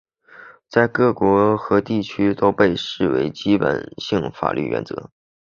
在各国和地区都被视为基本性法律原则。